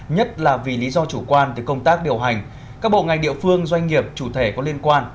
nhất là vì lý do chủ quan từ công tác điều hành các bộ ngành địa phương doanh nghiệp chủ thể có liên quan